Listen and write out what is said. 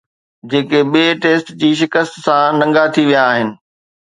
جيڪي ٻئي ٽيسٽ جي شڪست سان ننگا ٿي ويا آهن